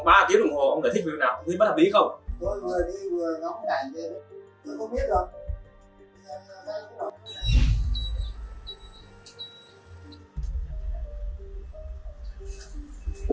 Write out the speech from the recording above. thôi người đi người nó không đảm gì hết người không biết đâu